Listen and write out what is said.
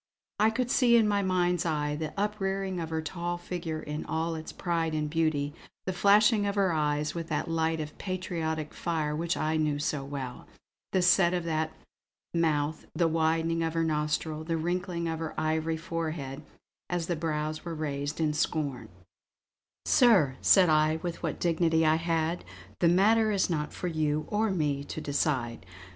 I could see in my mind's eye the uprearing of her tall figure in all its pride and beauty, the flashing of her eyes with that light of patriotic fire which I knew so well, the set of her mouth, the widening of her nostril, the wrinkling of her ivory forehead as the brows were raised in scorn "Sir," said I with what dignity I had, "the matter is not for you or me to decide.